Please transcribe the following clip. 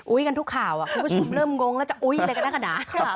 อุ๊ยกันทุกข่าวคุณผู้ชมเริ่มงงแล้วจะอุ๊ยอะไรกันแล้วกันนะ